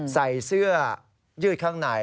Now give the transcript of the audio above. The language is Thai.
ใส่เสื้อยืดข้างใน